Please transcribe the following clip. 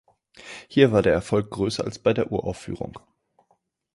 Hier war der Erfolg größer als bei der Uraufführung.